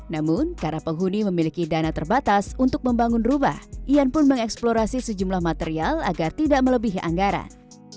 namun karena penghuni memiliki dana terbatas untuk membangun rumah ian pun mengeksplorasi sejumlah material agar tidak melebihi anggaran